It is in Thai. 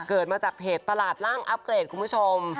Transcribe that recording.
เกิดมาจากเพจตลาดร่างอัพเกรดคุณผู้ชม